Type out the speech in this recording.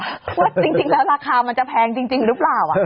ว่าจริงแล้วราคามันจะแพงจริงหรือเปล่า